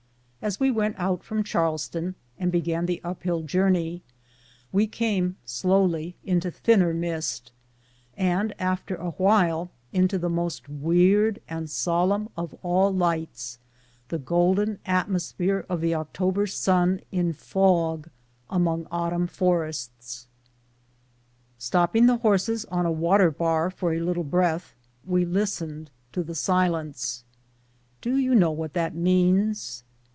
As we went out from Charles town and began the uphill journey, we came slow ly into thinner mist, and after awhile into that most weird and solemn of all lights, the golden atmos phere of the October sun in fog among autumn forests. Stopping the horses on a water bar for a little breath, we listened to the silence. Do you know what that means